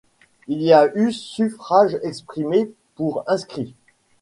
Il y a eu suffrages exprimés pour inscrits.